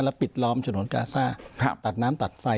ปิดล้อมฉนวนกาซ่าตัดน้ำตัดไฟ